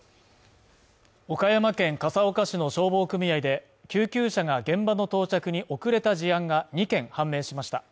岡山県笠岡市の消防組合で救急車が現場の到着に遅れた事案が２件判明しました。